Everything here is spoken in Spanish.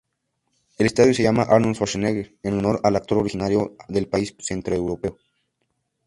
El estadio es llamado Arnold Schwarzenegger, en honor al actor originario del país centroeuropeo.